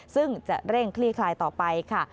ซึ่งจะเร่งคลี่คลายต่อไปค่ะ